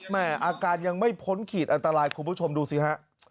อาการยังไม่พ้นขีดอันตรายคุณผู้ชมดูสิฮะ